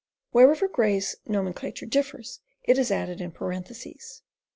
Wherever Gray's nomenclature differs, it is added in parentheses.